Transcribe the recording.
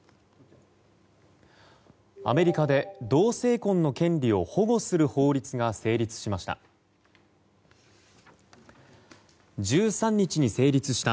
アメリカで同性婚の権利を保護する法律が成立しました。